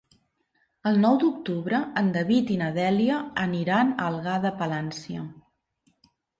El nou d'octubre en David i na Dèlia aniran a Algar de Palància.